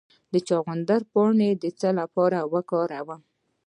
د چغندر پاڼې د څه لپاره وکاروم؟